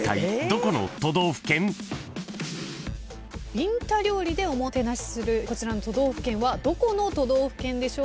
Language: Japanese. ビンタ料理でおもてなしするこちらの都道府県はどこの都道府県でしょうか？